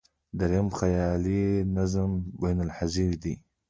درېیم، خیالي نظم بینالذهني دی.